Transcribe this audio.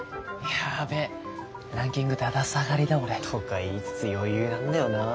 やべえランキングだだ下がりだ俺。とか言いつつ余裕なんだよなあ。